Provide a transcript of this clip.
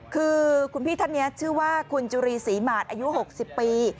คือคุณพี่ท่านนี้ชื่อว่าคุณจุรีศรีหมาดอายุ๖๐ปี